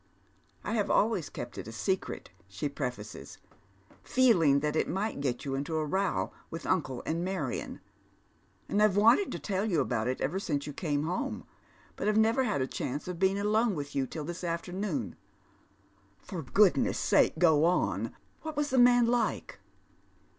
"I have always kept it a secret," she prefaces, "feeling that it might get you into a row with uncle and Marion, and I've wanted to tell you about it ever since you came home, but have never had a chance of being alone with you till this after noon." " For goodness' sake go on. What was the man like